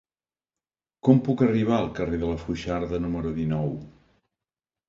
Com puc arribar al carrer de la Foixarda número dinou?